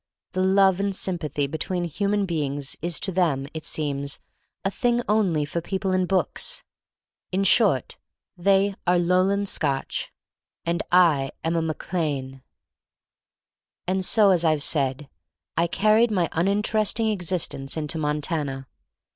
The love and sympathy between human beings is to them, it seems, a thing only for people in books. In short, they are Lowland Scotch, and I am a Mac Lane. And so, as Tve said, I carried my un interesting existence into Montana.